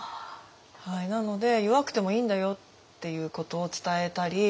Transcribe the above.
なので弱くてもいいんだよっていうことを伝えたり